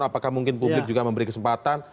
apakah mungkin publik juga memberi kesempatan